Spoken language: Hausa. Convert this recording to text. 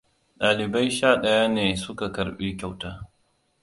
Ɗalibai shaɗaya ne suka karɓi kyauta.